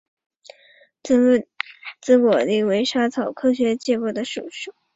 紫果蔺为莎草科荸荠属的植物。